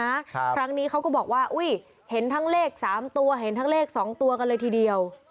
ครับครั้งนี้เขาก็บอกว่าอุ้ยเห็นทั้งเลขสามตัวเห็นทั้งเลขสองตัวกันเลยทีเดียว